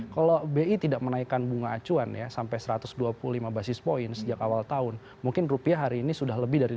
kalau bi tidak menaikkan bunga acuan ya sampai satu ratus dua puluh lima basis point sejak awal tahun mungkin rupiah hari ini sudah lebih dari